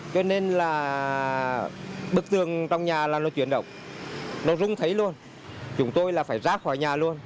cho nên là bức tường trong nhà là nó chuyển động nó rung thấy luôn chúng tôi là phải rác khỏi nhà luôn